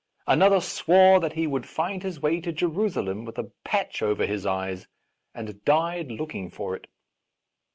Another swore that he would find his way to Jerusalem with a patch over his eyes, and died looking for it.